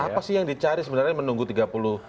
apa sih yang dicari sebenarnya menunggu tiga puluh